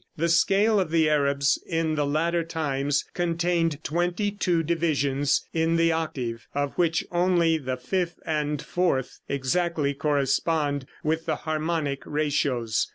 The scale of the Arabs in the latter times contained twenty two divisions in the octave, of which only the fifth and fourth exactly correspond with the harmonic ratios.